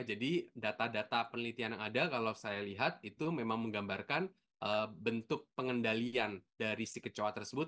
jadi data data penelitian yang ada kalau saya lihat itu memang menggambarkan bentuk pengendalian dari si kecoak tersebut